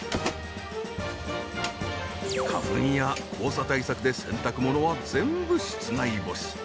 花粉や黄砂対策で洗濯物は全部室内干し。